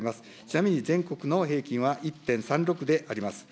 ちなみに全国の平均は１．３６であります。